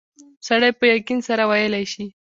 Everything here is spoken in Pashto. سړی په یقین سره ویلای شي.